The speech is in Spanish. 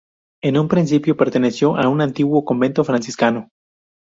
En un principio perteneció a un antiguo convento franciscano.